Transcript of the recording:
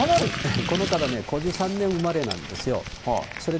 この方ね、５３年生まれなんですよ。